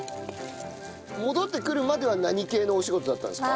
戻ってくるまでは何系のお仕事だったんですか？